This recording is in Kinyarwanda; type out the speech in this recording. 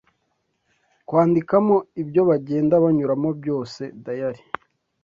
kwandikamo ibyo bagenda banyuramo byose (Diary).